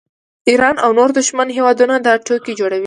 ایران او نور دښمن هیوادونه دا ټوکې جوړوي